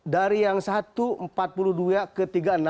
dari yang satu empat puluh dua ke tiga puluh enam